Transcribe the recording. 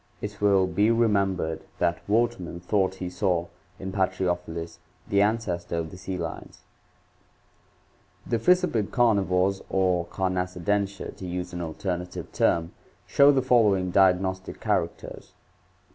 It will be remembered that Wortman thought he saw in Patriofelis the ancestor of the sea lions (page 552). The fissiped carnivores or Carnassidentia, to use an alternative term, show the following diagnostic characters: 1.